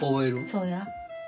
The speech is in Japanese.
そうや。